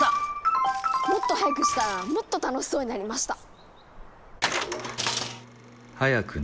もっと速くしたらもっと楽しそうになりました。